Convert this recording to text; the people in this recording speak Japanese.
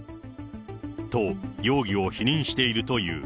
と、容疑を否認しているという。